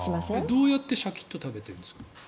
どうやってシャキッと食べてるんですか？